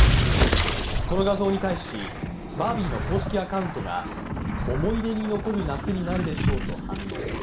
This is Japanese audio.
この画像に対し「バービー」の公式アカウントが「思い出に残る夏になるでしょう」と反応。